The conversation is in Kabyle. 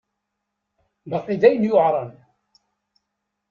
Baqi d ayen yuεren.